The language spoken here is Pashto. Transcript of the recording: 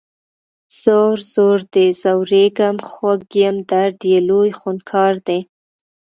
ځور، ځور دی ځوریږم خوږ یم درد یې لوی خونکار دی